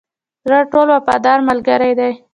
زړه ټولو وفادار ملګری دی.